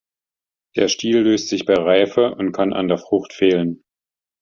Der Stiel löst sich bei Reife und kann an der Frucht fehlen.